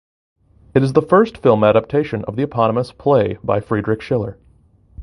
It is the first film adaptation of the eponymous play by Friedrich Schiller.